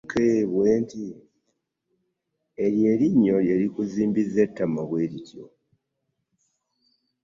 Eryo linnyo lye likuzimbiza etama bwe rityo.